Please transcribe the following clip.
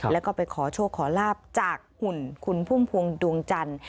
แล้วก็ไปขอโชคขอลาบจากหุ่นคุณพุ่มพวงดวงจันทร์